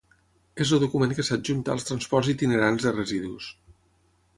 És el document que s'adjunta als transports itinerants de residus.